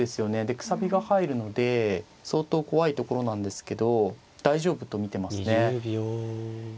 でくさびが入るので相当怖いところなんですけど大丈夫と見てますね。